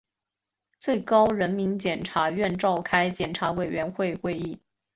最高人民检察院召开检察委员会会议